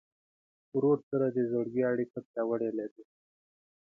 ورور سره د زړګي اړیکه پیاوړې لرې.